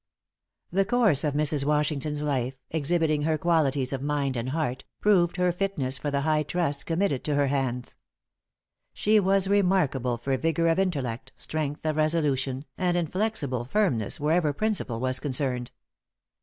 The course of Mrs. Washington's life, exhibiting her qualities of mind and heart, proved her fitness for the high trust committed to her hands. She was remarkable for vigor of intellect, strength of resolution, and inflexible firmness wherever principle was concerned.